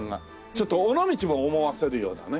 ちょっと尾道も思わせるようなね